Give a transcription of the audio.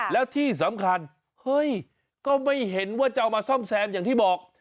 แล้วที่สำคัญเฮ้ยก็ไม่เห็นว่าจะเอามาซ่อมแซมอย่างที่บอก